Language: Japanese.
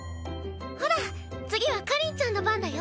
ほら次は夏凜ちゃんの番だよ。